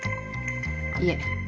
いえ。